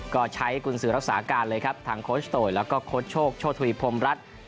ก็ใช้กุญสือรักษาการเลยครับทางโคชโตยแล้วก็โค้ชโชคโชธวีพรมรัฐ